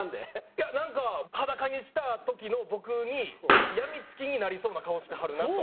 いやなんか裸にした時の僕に病み付きになりそうな顔してはるなと。